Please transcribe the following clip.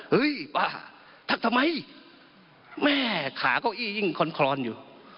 เฮ้ยบ้าทักทำไมเมหขาก้ออี้ยิ่งคนคลอนอยู่